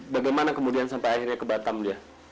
bagaimana kemudian sampai akhirnya ke batam dia